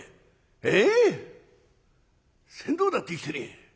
ええっ船頭だって生きてねえや。